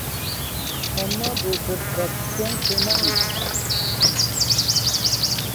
ئەمما بۇ بىر بەك چوڭ تېما ئىدى.